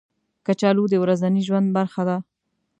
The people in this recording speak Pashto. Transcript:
کچالو د ورځني ژوند برخه ده